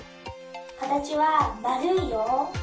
かたちはまるいよ。